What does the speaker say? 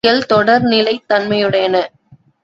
பணிகள் தொடர் நிலைத் தன்மையுடையன.